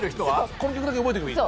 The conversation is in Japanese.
この曲だけ覚えておけばいい？